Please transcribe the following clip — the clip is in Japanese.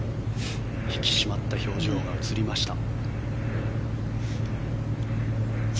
引き締まった表情が映りました。